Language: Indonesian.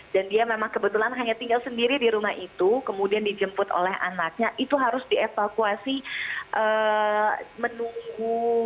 jadi emang kebetulan hanya tinggal sendiri di rumah itu kemudian dijemput oleh anaknya hasil punishment topping menunggu